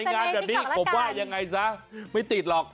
งานแบบนี้ผมว่ายังไงซะไม่ติดหรอก